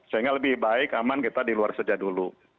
sehingga lebih baik aman kita di luar sejak dulu